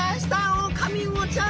オオカミウオちゃん！